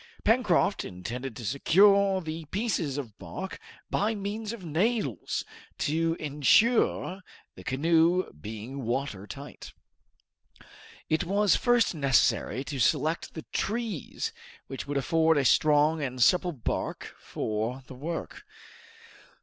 Pencroft intended to secure the pieces of bark by means of nails, to insure the canoe being water tight. It was first necessary to select the trees which would afford a strong and supple bark for the work.